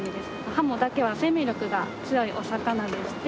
ハモだけは生命力が強いお魚でして。